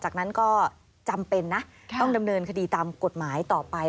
จากนั้นก็จำเป็นนะต้องดำเนินคดีตามกฎหมายต่อไป